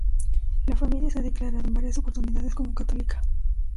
La familia se ha declarado en varias oportunidades como católica.